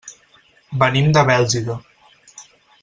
Venim de Bèlgida.